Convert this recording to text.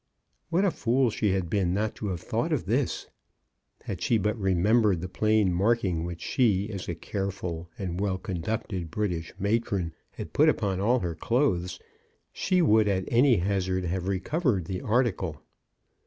What a fool she had been not to have thought of this ! Had she but re membered the plain marking which she, as a careful, well conducted British matron, had put upon all her clothes, she would at any hazard have recovered the article.